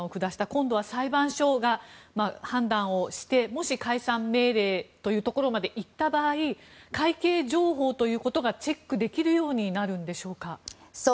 今度は裁判所が判断をしてもし解散命令というところまでいった場合会計情報ということがチェックできるようになるのでしょうか？